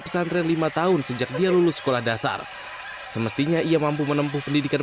pesantren lima tahun sejak dia lulus sekolah dasar semestinya ia mampu menempuh pendidikan